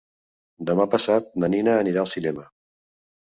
Demà passat na Nina anirà al cinema.